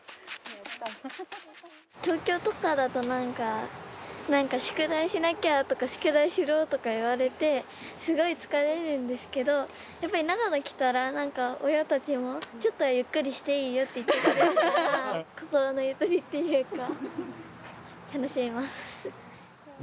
東京とかだと、なんか宿題しなきゃとか、宿題しろとか言われて、すごい疲れるんですけど、やっぱり長野来たら、なんか、親たちもちょっとはゆっくりしていいよって言うから、心のゆとりっていうか、楽しめます。